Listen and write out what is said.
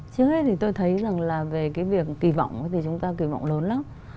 trước hết thì tôi thấy rằng là về cái việc kỳ vọng thì chúng ta kỳ vọng lớn lắm